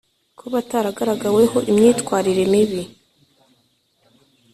kuba ataragaragaweho imyitwarire mibi